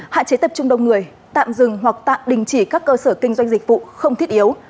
hạn chế tập trung đông người tạm dừng hoặc tạm đình chỉ các cơ sở kinh doanh dịch vụ không thiết yếu